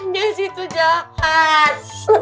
jessy tuh jahat